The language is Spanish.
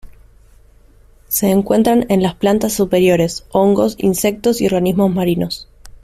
Se encuentran en las plantas superiores, hongos, insectos y organismos marinos.